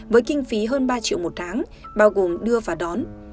với kinh phí hơn ba triệu một tháng bao gồm đưa và đón